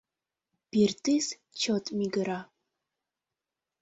Пӱртӱс чот мӱгыра.